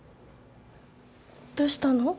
どうしたの？